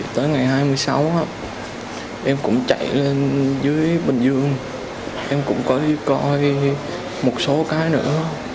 tới ngày hai mươi sáu em cũng chạy lên dưới bình dương em cũng có một số cái nữa